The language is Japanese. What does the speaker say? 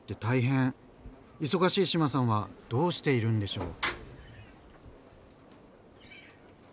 忙しい志麻さんはどうしているんでしょう？